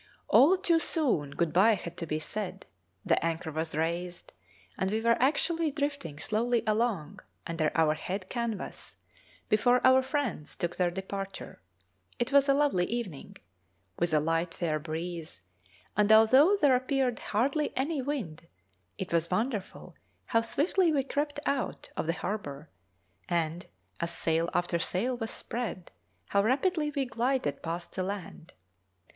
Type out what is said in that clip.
All too soon good bye had to be said; the anchor was raised, and we were actually drifting slowly along under our head canvas before our friends took their departure. It was a lovely evening, with a light fair breeze, and although there appeared hardly any wind, it was wonderful how swiftly we crept out of the harbour, and, as sail after sail was spread, how rapidly we glided past the land.